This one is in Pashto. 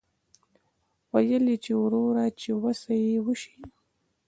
ویل یې وروره چې وسه یې وشي.